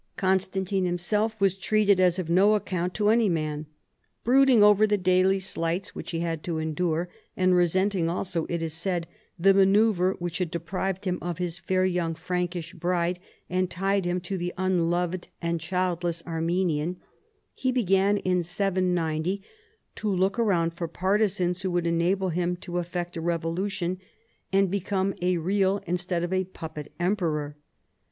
Constantine himself was treated as of no account to any man. Brooding over the daily slights which he had to endure, and resent ing also, it is said, the manoeuvre which had deprived him of his fair young Frankish bride, and tied him to the unloved and childless Armenian, he began in 790 to look around for partizans who would enable him to effect a revolution and become a real instead of a puppet emperor.